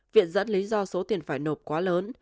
viện dẫn lý do số tiền phải nộp quá lớn